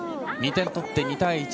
２点取って２対１。